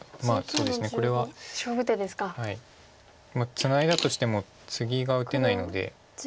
ツナいだとしてもツギが打てないので。